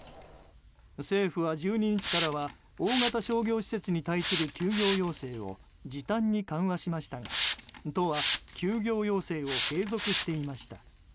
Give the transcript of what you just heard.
政府は１２日から大型商業施設に対する休業要請を時短に緩和しましたが都は休業要請を継続していました。